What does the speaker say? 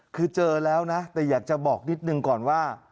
คือเจอแล้วนะแต่อยากจะบอกนิดหนึ่งก่อนว่า